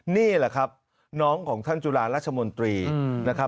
นี่แหละครับน้องของท่านจุฬาราชมนตรีนะครับ